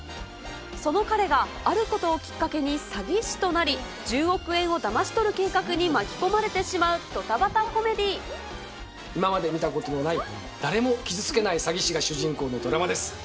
その彼があることをきっかけに詐欺師となり、１０億円をだまし取る計画に巻き込まれてしまうドタバタコメディ今まで見たことのない、誰も傷つけない詐欺師が主人公のドラマです。